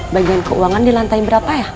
bagian keuangan di lantai berapa ya